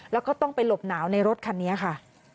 แล้วก็ต้องไปหลบหนาวในรถคันนี้ค่ะ